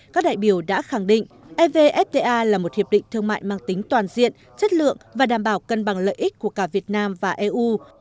các đại biểu đã khẳng định evfta là một hiệp định thương mại mang tính toàn diện chất lượng và đảm bảo cân bằng lợi ích của cả việt nam và eu